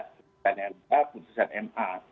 pertanyaan keempat keputusan ma